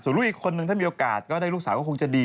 ลูกอีกคนนึงถ้ามีโอกาสก็ได้ลูกสาวก็คงจะดี